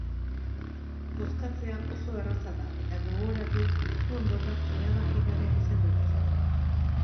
Bozkatzea oso erraza da, eta gogoratu zuen botoak erabakigarriak izan daitezkeela.